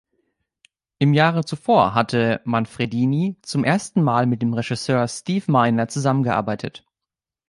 Im Jahre zuvor hatte Manfredini zum ersten Mal mit dem Regisseur Steve Miner zusammengearbeitet.